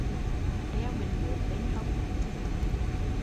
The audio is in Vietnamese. Đeo bình nước bên hông